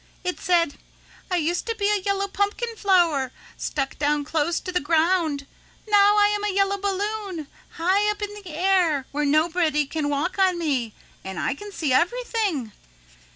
It said, 'I used to be a yellow pumpkin flower stuck down close to the ground, now I am a yellow balloon high up in the air where nobody can walk on me and I can see everything.'"